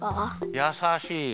やさしい。